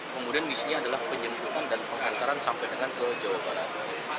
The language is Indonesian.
kemudian misinya adalah penjemputan dan pengantaran sampai dengan ke jawa barat